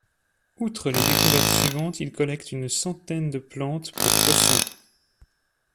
Outre les découvertes suivantes, il collecte une centaine de plantes pour Cosson.